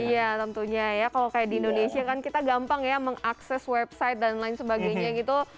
iya tentunya ya kalau kayak di indonesia kan kita gampang ya mengakses website dan lain sebagainya gitu